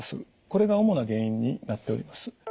これが主な原因になっております。